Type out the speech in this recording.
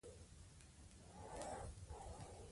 ملالۍ د بیرغ په نیولو هڅه کوله.